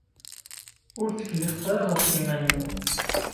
Ur ttkellixet ara ɣef yiman-nwen.